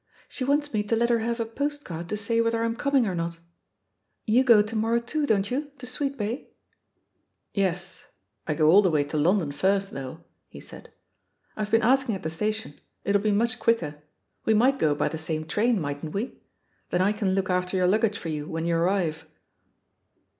She wants me to let her have a postcard to say whether I'm coming, or not. You go to morrow too, don't you, to Sweet bay?" "Yes. I go all the way to London first, though," he said. "I've been asking at the sta tion — ^it'U be much quicker. We might go by the same train, mightn't we? — ^then I can look after your luggage for you when you arrive."